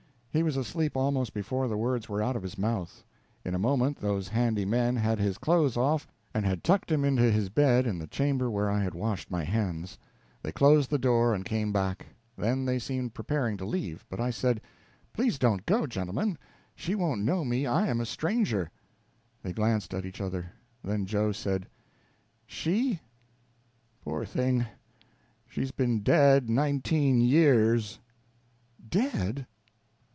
He was asleep almost before the words were out of his mouth. In a moment those handy men had his clothes off, and had tucked him into his bed in the chamber where I had washed my hands. They closed the door and came back. Then they seemed preparing to leave; but I said: "Please don't go, gentlemen. She won't know me; I am a stranger." They glanced at each other. Then Joe said: "She? Poor thing, she's been dead nineteen years!" "Dead?"